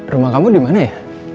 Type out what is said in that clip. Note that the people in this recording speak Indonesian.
rumah kamu dimana ya